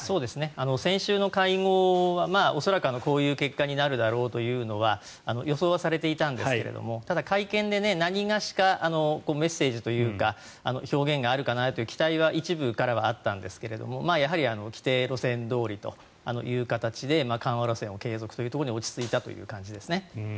先週の会合は恐らく、こういう結果になるだろうというのは予想はされていたんですがただ、会見で何がしかのメッセージというか表現があるかなという期待は一部からはあったんですけれどもやはり既定路線どおりという形で緩和路線を継続というところに落ち着いたという感じですね。